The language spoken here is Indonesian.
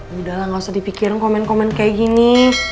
yaudah lah gak usah dipikirin komen komen kayak gini